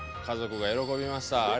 家族が喜びました。